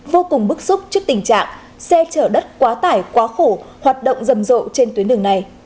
vô cùng bức xúc trước tình trạng xe chở đất quá tải quá khổ hoạt động rầm rộ trên tuyến đường này